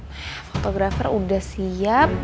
nah fotografer udah siap